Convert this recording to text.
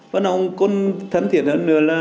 vẫn không còn thân thiện hơn nữa là